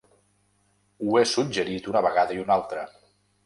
Ho he suggerit una vegada i una altra.